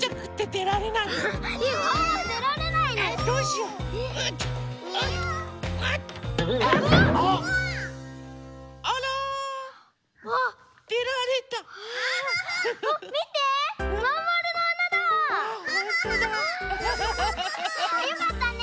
よかったね。